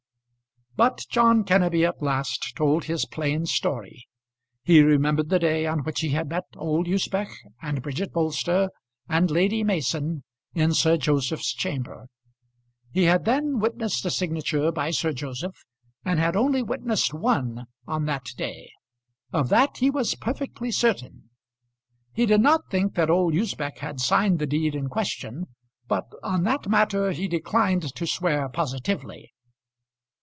But John Kenneby at last told his plain story. He remembered the day on which he had met old Usbech and Bridget Bolster and Lady Mason in Sir Joseph's chamber. He had then witnessed a signature by Sir Joseph, and had only witnessed one on that day; of that he was perfectly certain. He did not think that old Usbech had signed the deed in question, but on that matter he declined to swear positively.